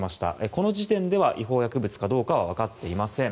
この時点では違法薬物かどうかは分かっていません。